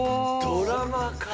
ドラマか。